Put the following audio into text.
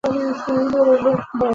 আর তোমার টা?